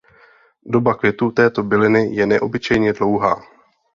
Doba květu této byliny je neobyčejně dlouhá.